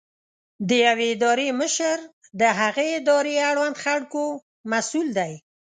د یوې ادارې مشر د هغې ادارې اړوند خلکو مسؤل دی.